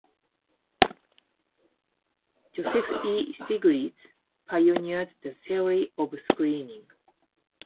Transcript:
Joseph E. Stiglitz pioneered the theory of screening.